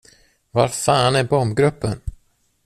Var fan är bombgruppen?